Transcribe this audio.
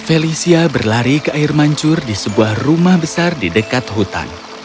felicia berlari ke air mancur di sebuah rumah besar di dekat hutan